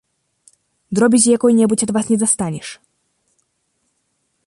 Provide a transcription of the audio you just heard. Дробязі якой-небудзь ад вас не дастанеш.